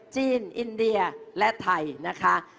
จีนอินเดียและไทยนะคะ